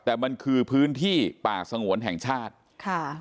แต่มันคือพื้นที่ป่าสงวนแห่งชาติค่ะ